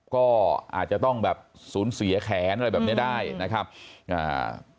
ก็อาจจะต้องแบบสูญเสียแขนอะไรแบบเนี้ยได้นะครับอ่า